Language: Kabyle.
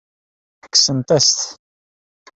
Kksent-as-t.